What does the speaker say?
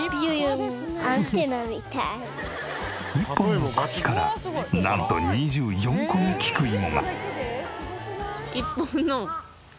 １本の茎からなんと２４個の菊芋が。